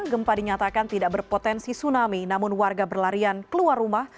gempa dinyatakan tidak berpotensi tsunami namun warga berlarian keluar rumah